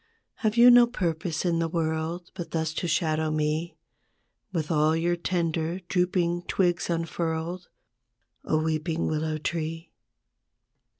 Have you no purpose in the world But thus to shadow me With all your tender drooping twigs unfurled, O weeping willow tree?